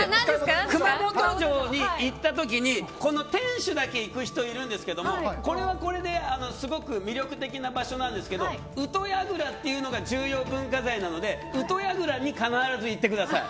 熊本城に行った時に天守だけ行く人いるんですけどこれは、これですごく魅力的な場所ですが宇土櫓というのが重要文化財なので宇土櫓に必ず行ってください。